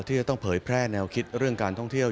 ที่จะต้องเผยแพร่แนวคิดเรื่องการท่องเที่ยว